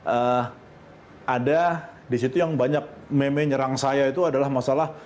eh ada disitu yang banyak meme nyerang saya itu adalah masalah